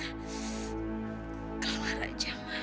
keluar raja mak